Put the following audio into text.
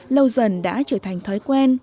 lâu dần đã trở thành thói quen